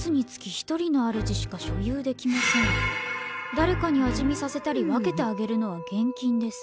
「だれかに味見させたり分けてあげるのは厳禁です